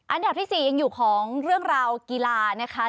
อันดับที่๔ยังอยู่ของเรื่องราวกีฬานะคะ